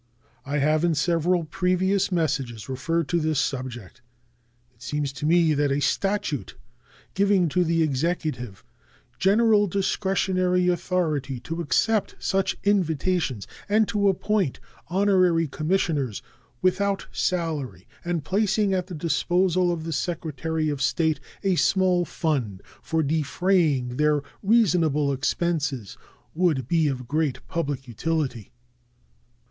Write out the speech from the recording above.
I have in several previous messages referred to this subject. It seems to me that a statute giving to the Executive general discretionary authority to accept such invitations and to appoint honorary commissioners, without salary, and placing at the disposal of the Secretary of State a small fund for defraying their reasonable expenses, would be of great public utility.